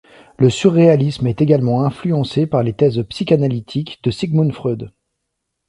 Le surréalisme est également influencé par les thèses psychanalytiques de Sigmund Freud.